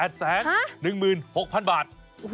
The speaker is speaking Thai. ๑ไร่๒ล้าน